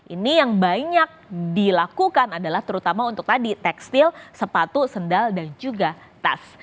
ini yang banyak dilakukan adalah terutama untuk tadi tekstil sepatu sendal dan juga tas